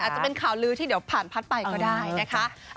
จะเป็นข่าวลือที่เดี๋ยวผ่านพัดไปก็ได้นะคะ